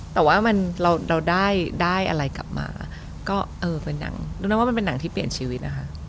แต่ว่าเราได้อะไรกลับมาก็เป็นหนังที่เปลี่ยนชีวิต